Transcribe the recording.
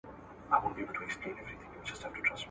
نن به د خوشحال د قبر ړنګه جنډۍ څه وايي ..